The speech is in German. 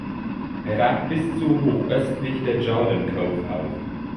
Er ragt bis zu hoch östlich der Jordan Cove auf.